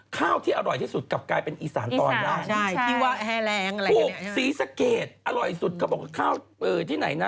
ข้าวที่อร่อยที่สุดกลับกลายเป็นอีสานตอนล่างถูกศรีสะเกดอร่อยสุดเขาบอกว่าข้าวที่ไหนนะ